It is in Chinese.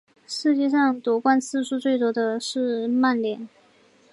历史上夺冠次数最多的是曼联。